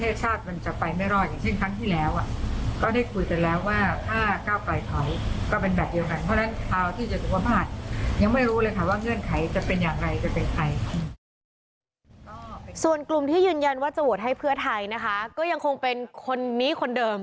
ส่วนกลุ่มที่ยืนยันว่าจะโหวตให้เพื่อไทยนะคะก็ยังคงเป็นคนนี้คนเดิม